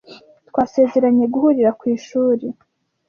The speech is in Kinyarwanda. Twasezeranye guhurira ku ishuri.